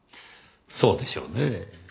そうでしょうねぇ。